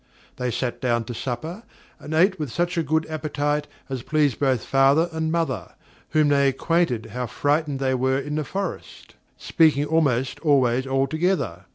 They sat down to supper, and ate with such a good appetite as pleased both father and mother, whom they acquainted how frightened they were in the forest; speaking almost always all together.